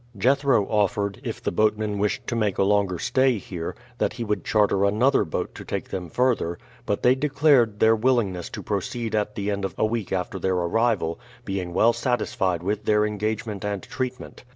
Jethro offered, if the boatmen wished to make a longer stay here, that he would charter another boat to take them further; but they declared their willingness to proceed at the end of a week after their arrival, being well satisfied with their engagement and treatment.